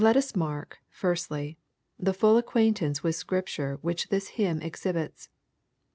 Let us mark, firstly, the full acquaintance toith Scrips ture which this hymn exhibits.